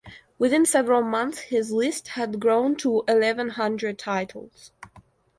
Within several months, his list had grown to eleven hundred titles.